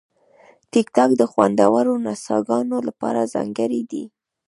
ټیکټاک د خوندورو نڅاګانو لپاره ځانګړی دی.